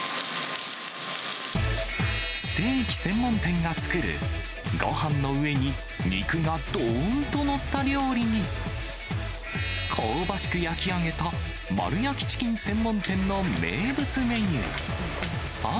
ステーキ専門店が作る、ごはんの上に肉がどーんと載った料理に、香ばしく焼き上げた、丸焼きチキン専門店の名物メニュー。